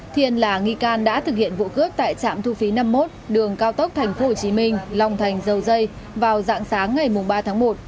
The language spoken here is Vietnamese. thiên là nghi can đã thực hiện vụ cướp tại trạm thu phí năm mươi một đường cao tốc thành phố hồ chí minh long thành dầu dây vào dạng sáng ngày ba tháng một